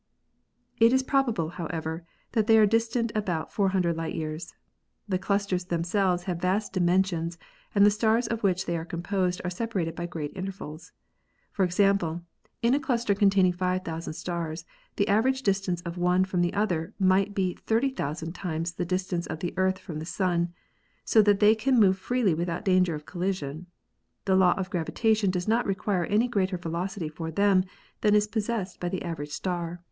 It is probable, however, that they are distant about 400 light years. The clusters themselves have vast dimensions and the stars of which they are composed are separated by great intervals. For example, in a cluster containing 5,000 stars the average distance of one from another might be 30,000 times the distance of the Earth from the Sun, so that they can move freely without danger of collision. The law of gravitation does not require any greater velocity for them than is pos sessed by the average star.